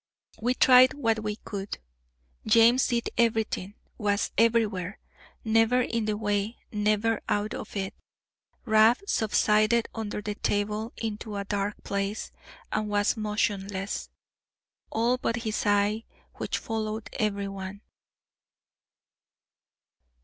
We tried what we could, James did everything, was everywhere; never in the way, never out of it. Rab subsided under the table into a dark place, and was motionless, all but his eye, which followed every one.